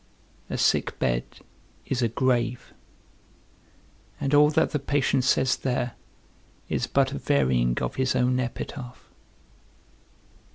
A sick bed is a grave, and all that the patient says there is but a varying of his own epitaph.